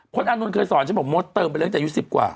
โพดอานนท์เคยสอนฉันบอกโมดเติมไปเรื่องจากยุค๑๐กว่า